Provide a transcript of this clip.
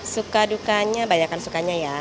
suka dukanya banyakan sukanya ya